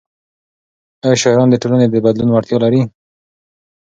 ايا شاعران د ټولنې د بدلون وړتیا لري؟